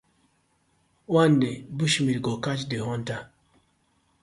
One day bush meat go catch the hunter: